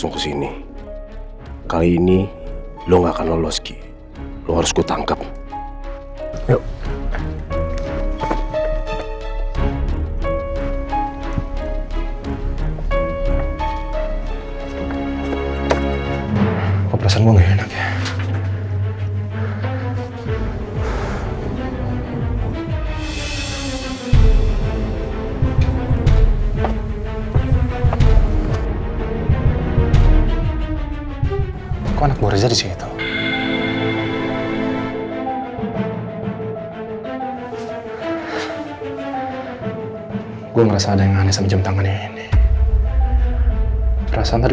tapi kenapa gue ngerasa aneh sama jam tangannya ini